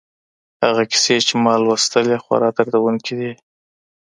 هغه کیسې چي ما لوستلې خورا دردونکي وې.